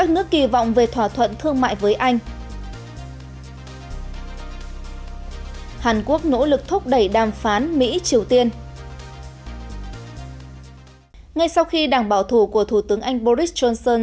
ngay sau khi đảng bảo thủ của thủ tướng anh boris johnson